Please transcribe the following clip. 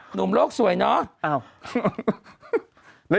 หนุ่มโลกสวยเนาะ